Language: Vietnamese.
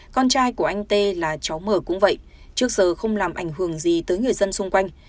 con trai của anh tê là cháu mờ cũng vậy trước giờ không làm ảnh hưởng gì tới người dân xung quanh